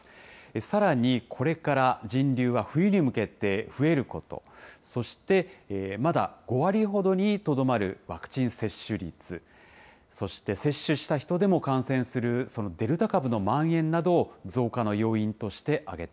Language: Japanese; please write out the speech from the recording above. さらに、これから人流は冬に向けて増えること、そして、まだ５割ほどにとどまるワクチン接種率、そして接種した人でも感染するデルタ株のまん延などを増加の要因